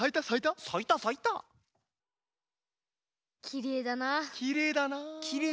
きれいだなあ。